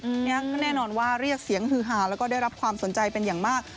อันนี้ก็แน่นอนว่าเรียกเสียงฮือหาแล้วก็ได้รับความสนใจเป็นอย่างมาก